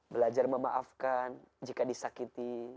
belajar memaafkan jika disakiti